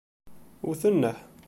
Wet nneḥ!